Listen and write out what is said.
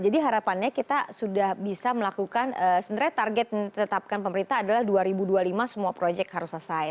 jadi harapannya kita sudah bisa melakukan sebenarnya target yang ditetapkan pemerintah adalah dua ribu dua puluh lima semua proyek harus selesai